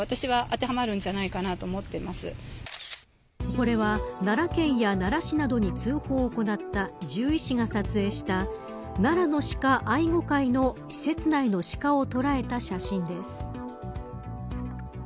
これは奈良県や奈良市などに通報を行った獣医師が撮影した奈良の鹿愛護会の施設内のシカを捉えた写真です。